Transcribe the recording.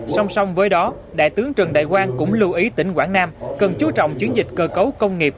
song song với đó đại tướng trần đại quang cũng lưu ý tỉnh quảng nam cần chú trọng chuyển dịch cơ cấu công nghiệp